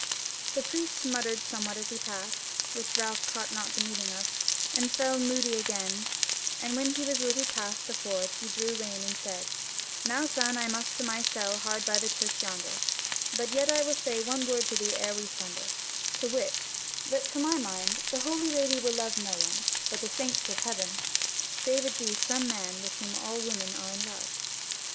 The priest muttered somewhat as he passed, which Ralph caught not the meaning of, and fell moody again; and when he was a little past the ford he drew rein and said: "Now, son, I must to my cell hard by the church yonder: but yet I will say one word to thee ere we sunder; to wit, that to my mind the Holy Lady will love no one but the saints of heaven, save it be some man with whom all women are in love."